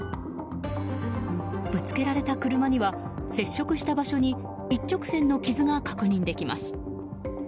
ぶつけられた車には接触した場所に一直線の傷が確認できます。